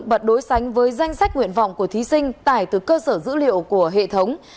và đối sánh với danh sách nguyện vọng của thí sinh tải từ cơ sở dữ liệu của hệ thống